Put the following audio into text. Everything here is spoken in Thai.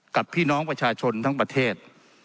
กับพี่น้องประชาชนทั้งประเทศ